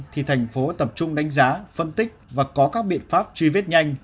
thì thành phố tập trung đánh giá phân tích và có các biện pháp truy vết nhanh